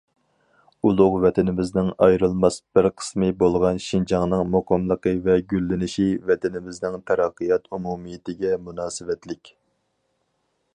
ئۇلۇغ ۋەتىنىمىزنىڭ ئايرىلماس بىر قىسمى بولغان شىنجاڭنىڭ مۇقىملىقى ۋە گۈللىنىشى ۋەتىنىمىزنىڭ تەرەققىيات ئومۇمىيىتىگە مۇناسىۋەتلىك.